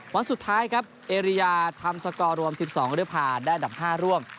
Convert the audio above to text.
วันสุดท้ายครับเอเรียทำสกอร์รวมสิบสองแล้วผ่านได้อันดับห้าร่วม